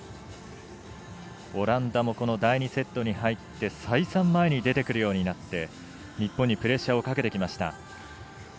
オランダも第２セットに入って再三、前に出てくるようになって日本にプレッシャーをかけてきました。